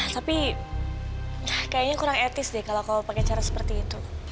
tapi kayaknya kurang etis deh kalau kau pakai cara seperti itu